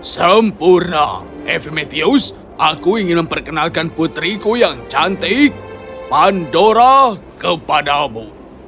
sempurna evimetius aku ingin memperkenalkan putriku yang cantik pandora kepadamu